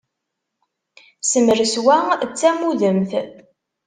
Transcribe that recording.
Semres wa d tamudemt!